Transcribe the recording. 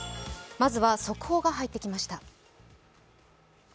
まずは速報が入ってきました。